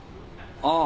ああ。